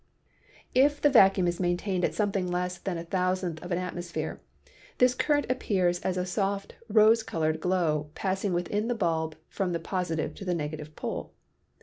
If the vacuum is maintained at something less than a thousandth of an atmosphere this current appears as a soft rose colored glow passing within the bulb from the positive to the negative pole.